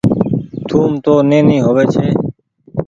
ٿوم تو نيني هووي ڇي۔